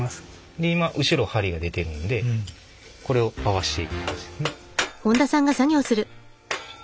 で今後ろ針が出てるんでこれを合わしていく感じですね。